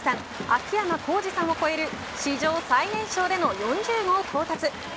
秋山幸二さんを越える史上最年少での４０号到達。